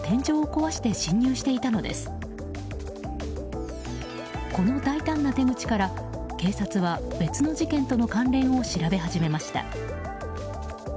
この大胆な手口から、警察は別の事件との関連を調べ始めました。